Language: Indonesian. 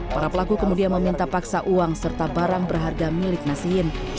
para pelaku kemudian meminta paksa uang serta barang berharga milik nasiin